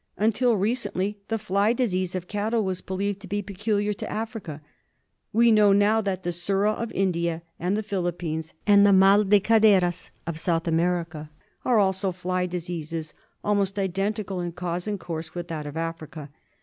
Until recently the fly disease of cattle was believed to be peculiar to Africa. We know now that the Surra of India and the Philippines and the Mai de Caderas of South America are also fly diseases almost identical in cause and course with that of Africa.